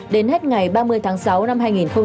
đến hết ngày ba mươi tháng sáu năm hai nghìn hai mươi